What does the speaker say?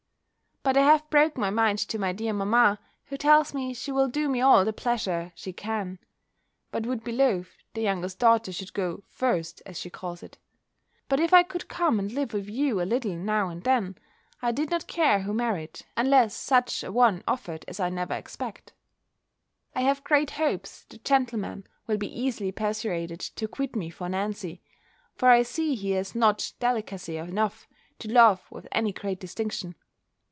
But I have broken my mind to my dear mamma, who tells me, she will do me all the pleasure she can; but would be loth the youngest daughter should go first, as she calls it. But if I could come and live with you a little now and then, I did not care who married, unless such an one offered as I never expect. I have great hopes the gentleman will be easily persuaded to quit me for Nancy; for I see he has not delicacy enough to love with any great distinction.